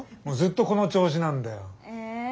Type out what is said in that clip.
もうずっとこの調子なんだよ。え。